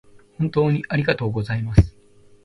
本当にありがとうございます